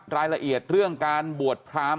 รายละเอียดเรื่องการบวชพราม